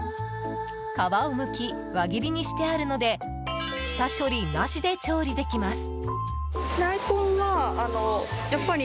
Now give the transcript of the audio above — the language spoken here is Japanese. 皮をむき、輪切りにしてあるので下処理なしで調理できます。